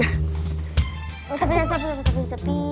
tapi tapi tapi di tepi